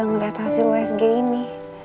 ngedata hasil usg ini